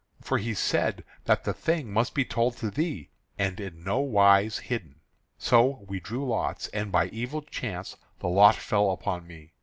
For he said that the thing must be told to thee, and in no wise hidden. So we drew lots, and by evil chance the lot fell upon me.